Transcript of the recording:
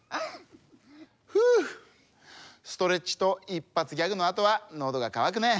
ふうストレッチといっぱつギャグのあとはのどがかわくね。